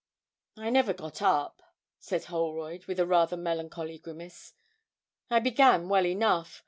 'I never got up,' said Holroyd, with a rather melancholy grimace. 'I began well enough.